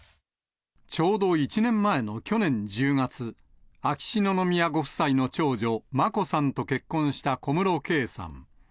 ちょうど１年前の去年１０月、秋篠宮ご夫妻の長女、眞子さんと結婚した小室圭さん。